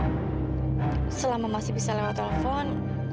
karena selama masih bisa lewat telepon